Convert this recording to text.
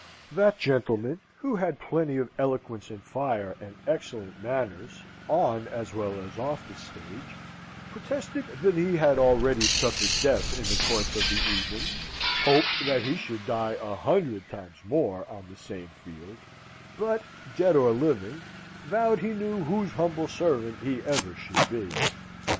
That gentleman, who had plenty of eloquence and fire, and excellent manners, on as well as off the stage, protested that he had already suffered death in the course of the evening, hoped that he should die a hundred times more on the same field; but, dead or living, vowed he knew whose humble servant he ever should be.